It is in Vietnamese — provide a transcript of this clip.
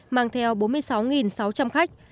mang theo bốn mươi sáu sáu trăm linh khách